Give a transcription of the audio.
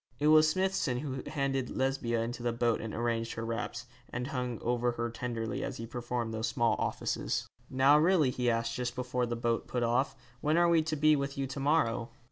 It was Smithson who handed Lesbia into the boat and arranged her wraps, and hung over her tenderly as he performed those small offices. 'Now really,' he asked, just before the boat put off, 'when are we to be with you to morrow?'